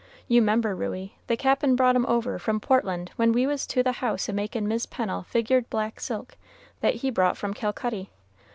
You 'member, Ruey, the Cap'n brought 'em over from Portland when we was to the house a makin' Mis' Pennel's figured black silk that he brought from Calcutty.